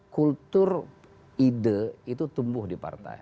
kultur ide itu tumbuh di partai